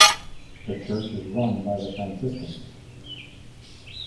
The church is run by the Franciscans.